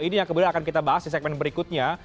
ini yang kemudian akan kita bahas di segmen berikutnya